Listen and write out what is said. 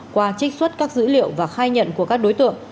qua trích xuất các dữ liệu và khai nhận của các đối tượng